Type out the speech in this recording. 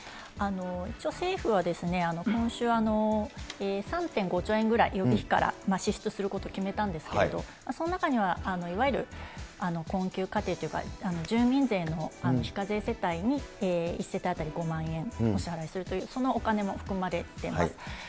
一応、政府は今週、３．５兆円ぐらい、予備費から支出することを決めたんですけれど、その中には、いわゆる困窮家庭というか、住民税の非課税世帯に１世帯当たり５万円お支払いするというそのお金も含まれています。